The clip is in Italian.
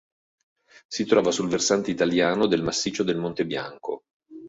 Si trova sul versante italiano del Massiccio del Monte Bianco.